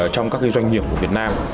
trong các doanh nghiệp của việt nam